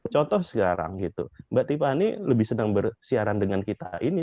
contoh sekarang gitu mbak tiffany lebih senang bersiaran dengan kita ini